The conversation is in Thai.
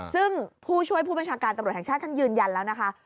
ซึ่งผู้ช่วยผู้บัญชาการตำรวจแห่งชาติท่านยืนยันแล้วนะคะ